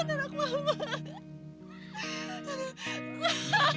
tidak sustronya sendiri